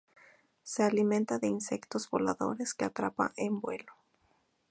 Se alimenta de insectos voladores, que atrapa en vuelo.